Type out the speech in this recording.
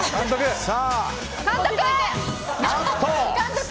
監督！